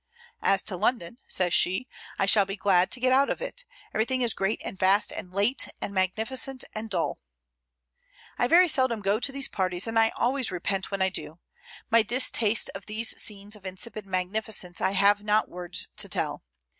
"As to London," says she, "I shall be glad to get out of it; everything is great and vast and late and magnificent and dull." I very seldom go to these parties, and I always repent when I do. My distaste of these scenes of insipid magnificence I have not words to tell.